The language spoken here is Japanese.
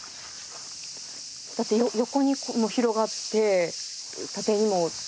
だって横に広がって縦にも。